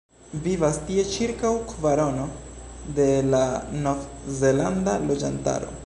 Vivas tie ĉirkaŭ kvarono de la nov-zelanda loĝantaro.